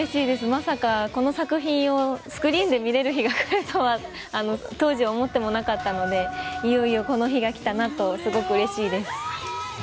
まさか、この作品をスクリーンで見れる日が来るとは当時、思ってもなかったのでいよいよ、この日が来たなとすごく、うれしいです。